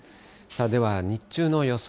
では日中の予想